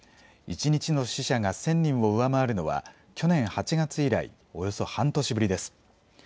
一日の死者が１０００人を上回るのは去年８月以来およそ半年ぶりです。